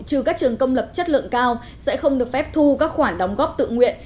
trừ các trường công lập chất lượng cao sẽ không được phép thu các khoản đóng góp tự nguyện